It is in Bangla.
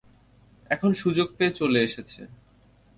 এখন সুযোগ পেয়ে চলে এসেছে।